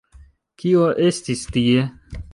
Kio estis tie?